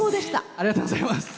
ありがとうございます。